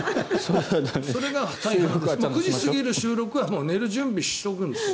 それが９時過ぎる収録は寝る準備をしておくんです。